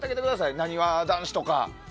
なにわ男子とか。